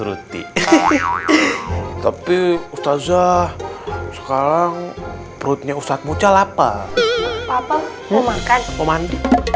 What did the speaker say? ruti tapi ustazah sekarang perutnya ustadz mucah lapar papa mau makan mau mandi